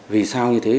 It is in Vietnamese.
vì sao như thế